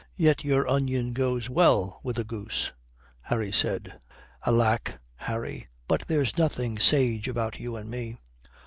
"Yet your onion goes well with a goose," Harry said. "Alack, Harry, but there's nothing sage about you and me."